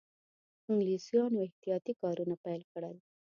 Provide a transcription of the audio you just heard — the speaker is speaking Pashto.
انګلیسیانو احتیاطي کارونه پیل کړل.